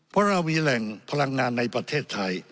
เพราะเรามีแหล่งพลังงานในประเทศไทย